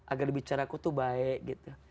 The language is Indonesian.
agar bicaraku itu baik gitu